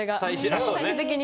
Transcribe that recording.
最終的に。